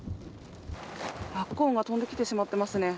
コーンが飛んできてしまっていますね。